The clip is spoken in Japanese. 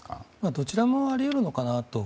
どちらもあり得るのかなと。